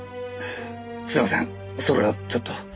すいませんそれはちょっと。